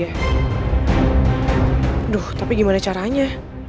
aduh tapi gimana caranya